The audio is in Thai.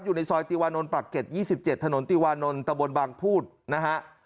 อยู่ในซอยติวานนท์ปรัก๗๒๗ถนนติวานนท์ตะบนบางพูดนะฮะ